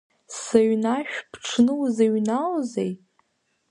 Сыҩнашә ԥҽны узыҩналазеи?